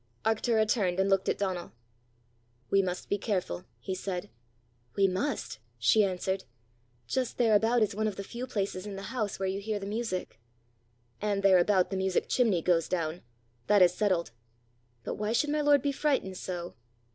Arctura turned and looked at Donal. "We must be careful," he said. "We must," she answered. "Just thereabout is one of the few places in the house where you hear the music." "And thereabout the music chimney goes down! That is settled! But why should my lord be frightened so?"